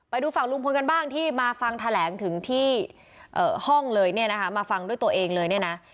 ไปดูฝั่งลุงพลกันบ้างที่มาฟังแถลงถึงที่ห้องเลยเนี่ยนะคะมาฟังด้วยตัวเองเลยเนี่ยนะ